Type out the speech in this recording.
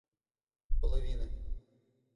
половины